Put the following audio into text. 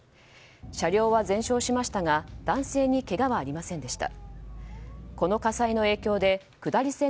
車両は全焼しましたが男性はけがはありませんでした。